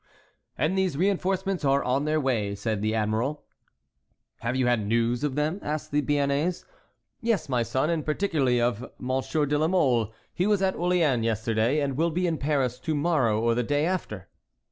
"And these reinforcements are on their way," said the admiral. "Have you had news of them?" asked the Béarnais. "Yes, my son, and particularly of M. de la Mole; he was at Orléans yesterday, and will be in Paris to morrow or the day after."